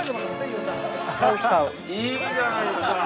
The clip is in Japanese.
◆いいじゃないですか。